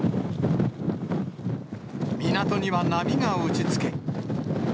港には波が打ちつけ。